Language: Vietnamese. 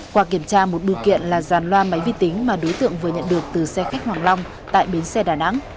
qua kiểm tra một bưu kiện là dàn loa máy vi tính mà đối tượng vừa nhận được từ xe khách hoàng long tại bến xe đà nẵng